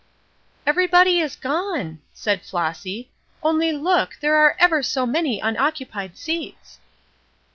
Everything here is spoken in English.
"Everybody is gone!" said Flossy, "only look! There are ever so many unoccupied seats!"